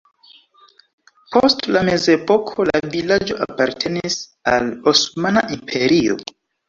Post la mezepoko la vilaĝo apartenis al Osmana Imperio.